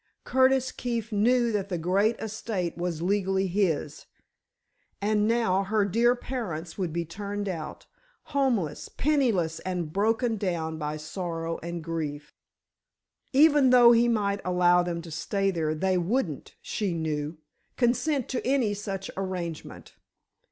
Curtis Keefe knew that the great estate was legally his, and now her dear parents would be turned out, homeless, penniless and broken down by sorrow and grief. Even though he might allow them to stay there, they wouldn't, she knew, consent to any such arrangement.